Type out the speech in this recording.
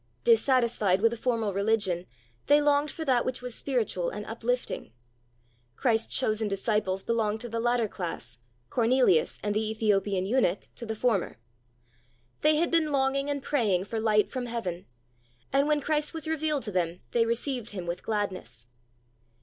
Dissatisfied with a formal religion, they longed for that which was spiritual and uplifting. Christ's chosen disciples belonged to the latter class, Cornelius and the Ethiopian eunuch to the former. They had been longing and praying for light from heaven; and when Christ was revealed to them, they received Him with gladness.